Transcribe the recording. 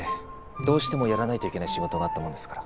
どうしてもやらないといけない仕事があったもんですから。